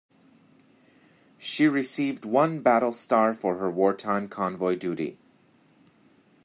She received one battle star for her wartime convoy duty.